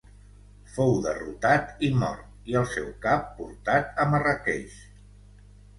Fou derrotat i mort i el seu cap portat a Marràqueix.